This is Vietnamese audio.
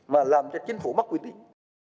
mà làm cho chính phủ mất quy tích